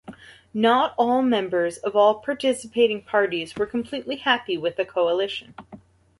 Not all members of all participating parties were completely happy with the coalition.